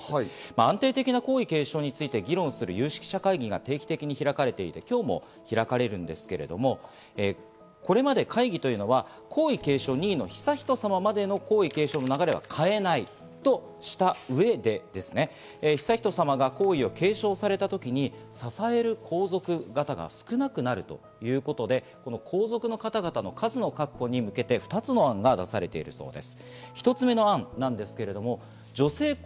安定的な皇位継承について議論する有識者会議が定期的に開かれていて、今日も開かれるんですけど、これまで会議というのは、皇位継承２位の悠仁さままでの皇位継承の流れは変えないとした上で、悠仁さまが皇位を継承されたときに支える皇族方が少なくなるということで、皇族の方々の数の確保に向けて、２つの案が出されているそうです。